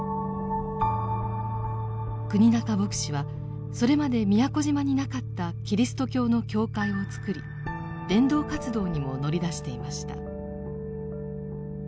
国仲牧師はそれまで宮古島になかったキリスト教の教会をつくり伝道活動にも乗り出していました。